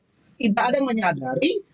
tidak ada yang menyadari